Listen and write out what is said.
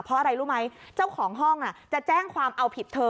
เพราะอะไรรู้ไหมเจ้าของห้องจะแจ้งความเอาผิดเธอ